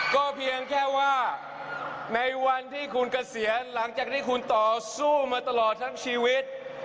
ก็เพียงแค่ว่าในวันที่คุณเกษียณหลังจากที่คุณต่อสู้มาตลอดทั้งชีวิต